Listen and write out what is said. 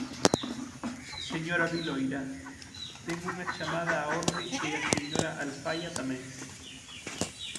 Señora Viloira, ten unha chamada á orde e a señora Alfaia tamén.